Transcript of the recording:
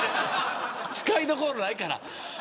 使いどころないから。